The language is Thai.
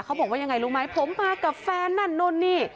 เขาบอกว่ายังไงรู้ไหมผมมากับแฟนนั่นนู่นนี่